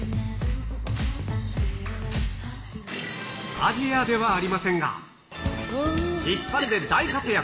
アジアではありませんが、ヒッパレで大活躍。